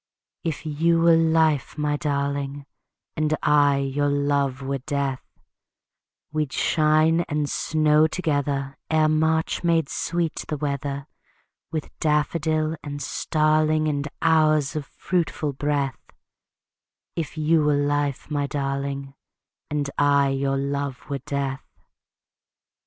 If you were life, my darling, And I your love were death, We'd shine and snow together Ere March made sweet the weather With daffodil and starling And hours of fruitful breath; If you were life, my darling, And I your love were death.